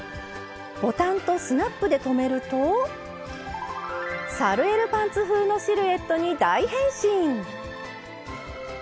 ボタンとスナップで留めるとサルエルパンツ風のシルエットに大変身！